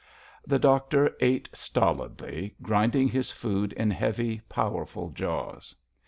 The doctor ate stolidly, grinding his food in heavy, powerful jaws.